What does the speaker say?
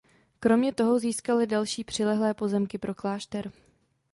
Kromě toho získali další přilehlé pozemky pro klášter.